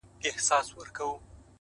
راوتلی تر اوو پوښو اغاز دی _